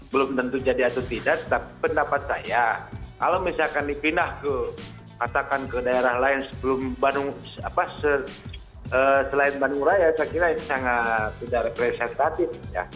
belum tentu jadi atau tidak tapi pendapat saya kalau misalkan dipindah ke katakan ke daerah lain sebelum bandung selain bandung raya saya kira ini sangat tidak representatif